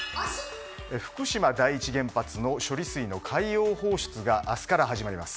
福島第一原発の処理水の海洋放出が明日から始まります。